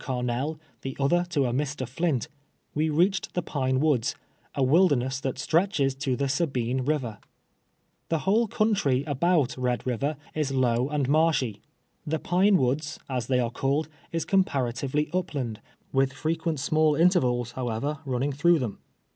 Carnell, the other to a Mr. I'lint, avo reach ed the Pino AVood.s, a wilderness that stretches to the Sabine Pivcr. The will lie c<nintry about Pod Pi\'er is low and marshy. Tlie Pine Woods, as they are called, is com paratively upland, M itli frequent small intervals, how ever, running through them.